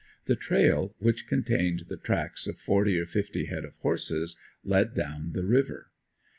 The trail, which contained the tracks of forty or fifty head of horses, led down the river.